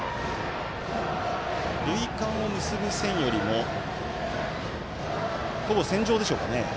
塁間を結ぶ線よりもほぼ線上でしょうか。